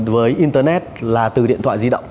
với internet là từ điện thoại di động